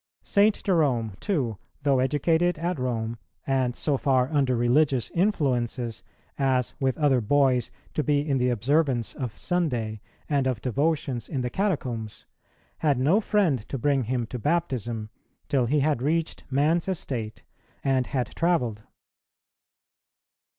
St. Jerome too, though educated at Rome, and so far under religious influences, as, with other boys, to be in the observance of Sunday, and of devotions in the catacombs, had no friend to bring him to baptism, till he had reached man's estate and had travelled.